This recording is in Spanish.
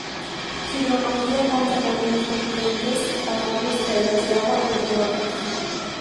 Su hidrología consta de ríos, vertientes, arroyos, caídas de agua, entre otros.